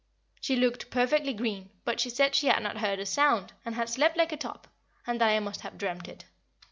She looked perfectly green, but she said she had not heard a sound, and had slept like a top, and that I must have dreamt it.